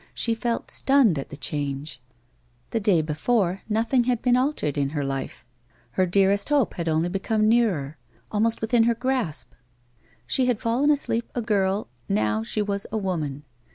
She felt stunned at the change. The day before nothing had been altered in her life : iier dearest hope had only become nearer — almost within her grasp. She had fallen asleep a girl, now she was a woman.